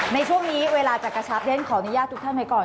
ในช่วงนี้เวลาจะกระชับเรียนขออนุญาตทุกท่านไว้ก่อน